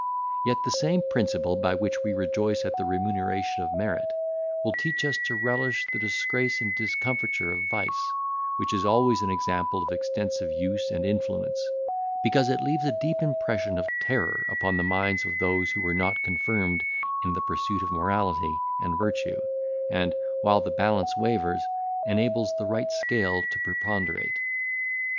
—Yet the same principle by which we rejoice at the remuneration of merit, will teach us to relish the disgrace and discomfiture of vice, which is always an example of extensive use and influence, because it leaves a deep impression of terror upon the minds of those who were not confirmed in the pursuit of morality and virtue, and, while the balance wavers, enables the right scale to preponderate.